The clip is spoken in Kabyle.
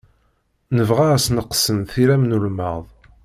Nebɣa ad sneqsen tiram n ulmad.